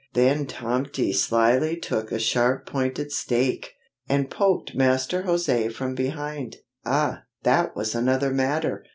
Then Tomty slyly took a sharp pointed stake, and poked Master José from behind. Ah, that was another matter!